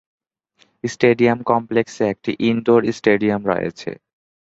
Stadium কমপ্লেক্সে একটি indoor stadium রয়েছে।